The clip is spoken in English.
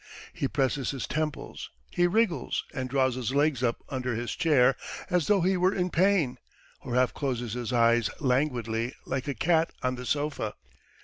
... He presses his temples, he wriggles, and draws his legs up under his chair as though he were in pain, or half closes his eyes languidly like a cat on the sofa.